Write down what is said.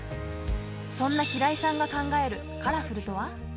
そんな平井さんが考えるカラフルとは？